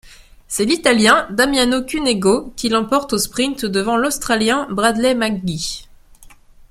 C'est l'Italien Damiano Cunego qui l'emporte au sprint devant l'Australien Bradley McGee.